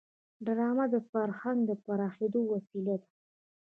ډرامه د فرهنګ د پراخېدو وسیله ده